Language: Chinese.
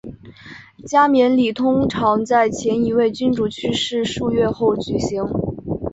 加冕礼通常在前一位君主去世数月后举行。